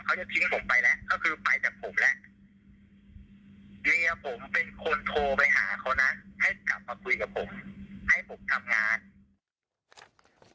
เค้าจะทิ้งผมไปแล้วจะไปจากผมแล้ว